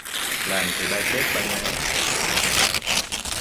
Làm thì ba chớp ba nhoáng